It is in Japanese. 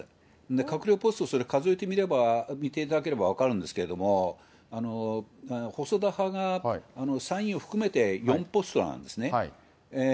閣僚ポスト、それ数えてみれば、見ていただければ分かるんですけれども、細田派が３人を含めて、４ポストなんですね。